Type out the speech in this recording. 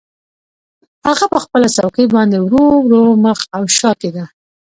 هغه په خپله څوکۍ باندې ورو ورو مخ او شا کیده